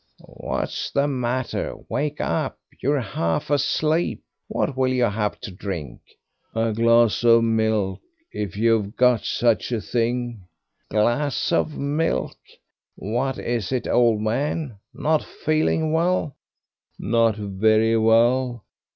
"What's the matter? Wake up; you're half asleep. What will you have to drink?" "A glass of milk, if you've got such a thing." "Glass of milk! What is it, old man not feeling well?" "Not very well.